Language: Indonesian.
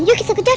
yuk kita kejar